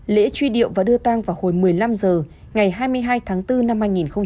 lễ truy điệu và đưa tang vào hồi một mươi năm h ngày hai mươi hai tháng bốn năm hai nghìn hai mươi